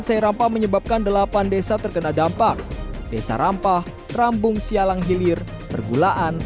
air rampah menyebabkan delapan desa terkena dampak desa rampah rambung sialang hilir pergulaan